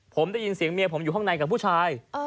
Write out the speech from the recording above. ผมได้ยินเสียงเมียผมอยู่ข้างในกับผู้ชาย